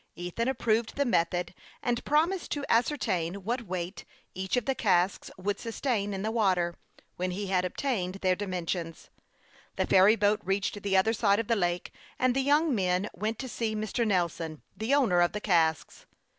Ethan approved the method, and promised to as certain what weight each of the casks Avould sustain in the water, when he had obtained their dimensions. The ferry boat reached the other side of the lake,, and the young men went to see Mr. Xelson, the owner of the casks.